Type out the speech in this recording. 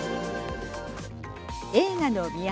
映画の都